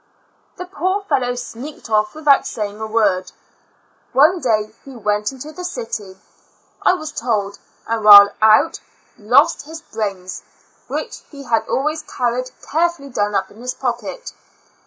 The poor fellow sneaked off without saying a word. One day he went to the city, I was told, and while out lost his brains, which he had always carried carefully done up in his pocket.